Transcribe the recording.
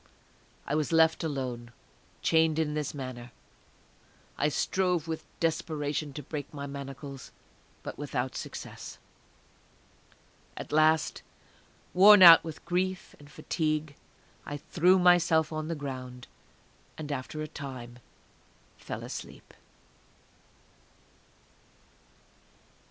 I was left alone, chained in this manner. I strove with desperation to break my manacles, but without success. At last, worn out with grief and fatigue, I threw myself on the ground, and after a time fell asleep.